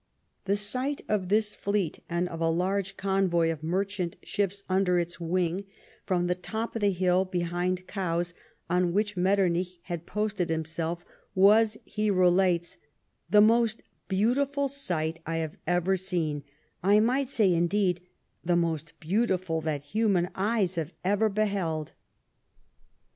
The sight of this fleet, and of a large convoy of merchant ships under its wing, from the top of the hill behind Cowes, on which Metternich had posted himself, was, he relates, the most " beautiful sight I have ever seen — I might say, indeed, the most beautiful that human eyes have ever beheld